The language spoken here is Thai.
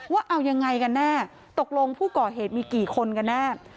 ว่าเอายังไงกันแน่ตกลงผู้ก่อเหตุมีกี่คนกันแน่